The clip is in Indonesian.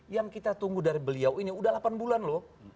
yang kita tunggu dari beliau ini udah delapan bulan loh